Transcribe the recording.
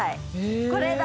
これだ。